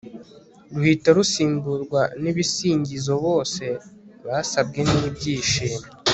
ruhita rusimburwa n'ibisingizobose basabwe n'ibyishimo